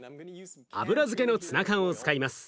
油漬けのツナ缶を使います。